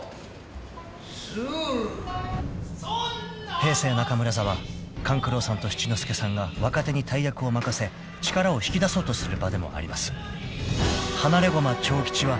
［平成中村座は勘九郎さんと七之助さんが若手に大役を任せ力を引き出そうとする場でもあります］